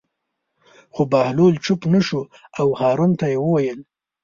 خو بهلول چوپ نه شو او هارون ته یې وویل.